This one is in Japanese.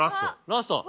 ラスト。